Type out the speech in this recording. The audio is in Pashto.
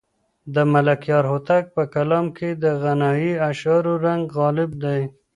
د ملکیار هوتک په کلام کې د غنایي اشعارو رنګ غالب دی.